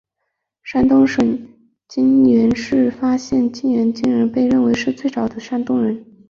山东省沂源县发现的沂源猿人被认为是最早的山东人。